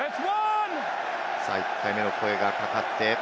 １回目の声がかかって。